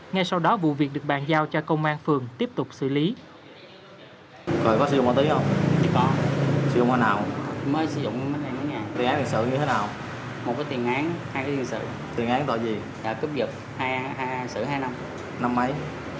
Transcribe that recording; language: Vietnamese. ngay sau đó vụ việc được bàn giao cho công an phường tiếp tục xử lý